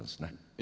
え？